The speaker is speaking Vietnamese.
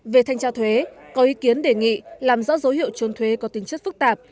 về thanh tra thuế có ý kiến đề nghị làm rõ dấu hiệu trốn thuế có tính chất phức tạp